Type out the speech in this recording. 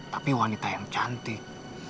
tapi wanita yang cantik